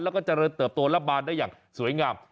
แล้วก็จะเริ่มเติบตัวระบานได้อย่างสวยงาม